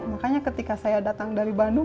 makanya ketika saya datang dari bandung